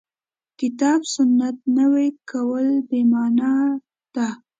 کتاب سنت نوي کول بې معنا ده.